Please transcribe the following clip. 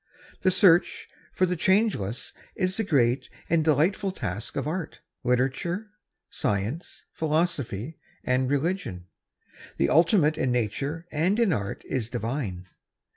The search for the changeless is the great and delightful task of art, literature, science, philosophy and religion. The ultimate in nature and in art is divine.